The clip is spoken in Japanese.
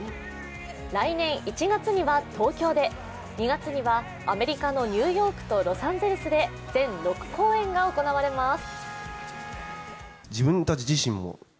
来年１月には東京で、２月にはアメリカのニューヨークとロサンゼルスで全６公演が行われます。